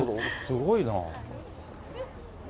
すごいな。